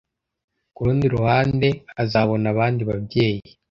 Ku rundi ruhande azabona abandi babyeyi